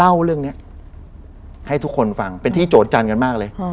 เล่าเรื่องนี้ให้ทุกคนฟังเป็นที่โจทยจันทร์กันมากเลย